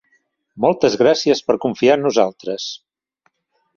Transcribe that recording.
Moltes gràcies per confiar en nosaltres.